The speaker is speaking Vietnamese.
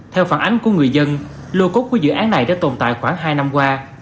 theo phản ánh của người dân lô cốt của dự án này đã tồn tại khoảng hai năm qua